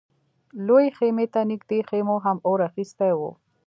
لويې خيمې ته نږدې خيمو هم اور اخيستی و.